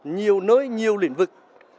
nhiều nơi nhiều lĩnh vực